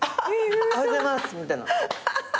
「おはようございます」みたいな。